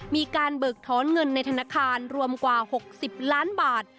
เบิกถอนเงินในธนาคารรวมกว่า๖๐ล้านบาท